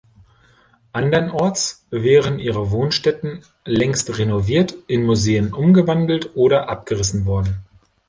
Andernorts wären ihre Wohnstätten längst renoviert, in Museen umgewandelt oder abgerissen worden.